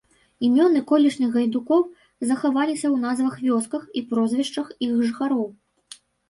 Імёны колішніх гайдукоў захаваліся ў назвах вёсак і прозвішчаў іх жыхароў.